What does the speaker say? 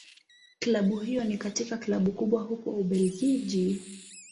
Klabu hiyo ni katika Klabu kubwa huko Ubelgiji.